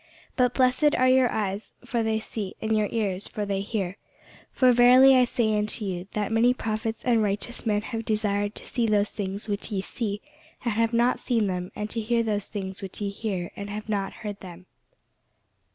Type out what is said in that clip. But blessed are your eyes, for they see: and your ears, for they hear. For verily I say unto you, That many prophets and righteous men have desired to see those things which ye see, and have not seen them; and to hear those things which ye hear, and have not heard them.